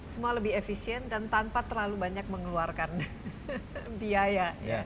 semua lebih efisien dan tanpa terlalu banyak mengeluarkan biaya